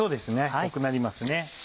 濃くなりますね。